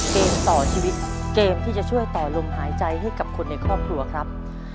เกมต่อชีวิตเกมที่จะช่วยต่อลมหายใจให้กับคนในครอบครัวครับ